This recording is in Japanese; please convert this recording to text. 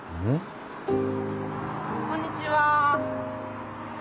こんにちは。